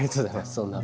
そんな。